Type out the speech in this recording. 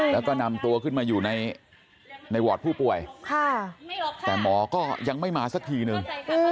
แล้วก็นำตัวขึ้นมาอยู่ในวอร์ดผู้ป่วยแต่หมอก็ยังไม่มาสักทีนึง